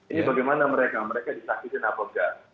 ini bagaimana mereka mereka disaksikan apa enggak